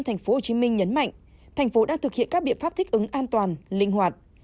tp hcm nhấn mạnh thành phố đang thực hiện các biện pháp thích ứng an toàn linh hoạt